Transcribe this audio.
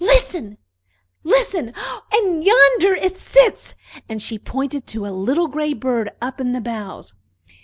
"Listen, listen! and yonder it sits." And she pointed to a little gray bird up in the boughs.